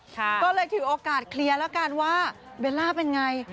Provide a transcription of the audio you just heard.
ก็เลยถือโอกาสเคลียร์แล้วกันว่าเบลล่าเป็นไง